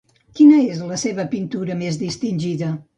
Quina és la seva pintura més distingida?